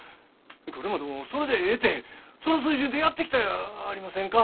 これまでもそれでええてその水準でやってきたやありませんか。